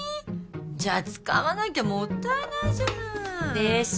じゃあ使わなきゃもったいないじゃない。でしょ。